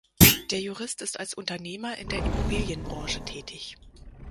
Der Jurist ist als Unternehmer in der Immobilien-Branche tätig.